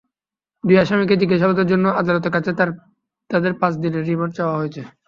দুই আসামিকে জিজ্ঞাসাবাদের জন্য আদালতের কাছে তাঁদের পাঁচ দিনের রিমান্ড চাওয়া হয়েছে।